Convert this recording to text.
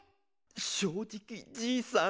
「正直じいさん」。